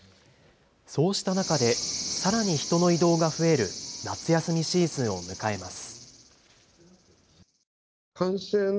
そうした中でさらに人の移動が増える夏休みシーズンを迎えます。